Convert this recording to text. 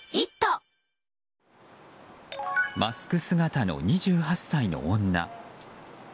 マスク姿の２８歳の女。